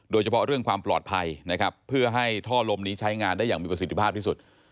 โดยเฉพาะเรื่องความปลอดภัยนะครับเพื่อให้ท่อลมนี้ใช้งานได้อย่างมีประสิทธิภาพที่สุด